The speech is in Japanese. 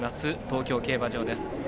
東京競馬場です。